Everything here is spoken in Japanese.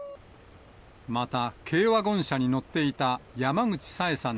また軽ワゴン車に乗っていた山口冴さん